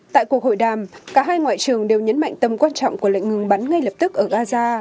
tại cuộc hội đàm cả hai ngoại trưởng đều nhấn mạnh tầm quan trọng của lệnh ngừng bắn ngay lập tức ở gaza